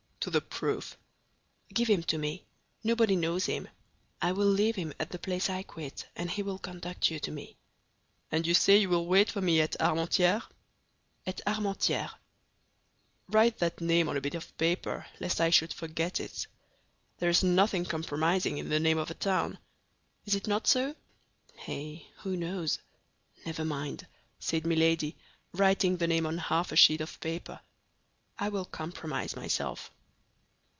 "To the proof." "Give him to me. Nobody knows him. I will leave him at the place I quit, and he will conduct you to me." "And you say you will wait for me at Armentières?" "At Armentières." "Write that name on a bit of paper, lest I should forget it. There is nothing compromising in the name of a town. Is it not so?" "Eh, who knows? Never mind," said Milady, writing the name on half a sheet of paper; "I will compromise myself."